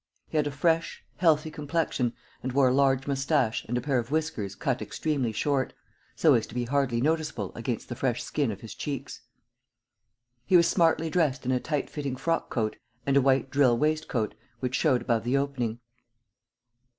He had a fresh, healthy complexion and wore a large mustache and a pair of whiskers cut extremely short, so as to be hardly noticeable against the fresh skin of his cheeks. He was smartly dressed in a tight fitting frock coat and a white drill waistcoat, which showed above the opening.